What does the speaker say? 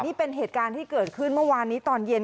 นี่เป็นเหตุการณ์ที่เกิดขึ้นเมื่อวานนี้ตอนเย็น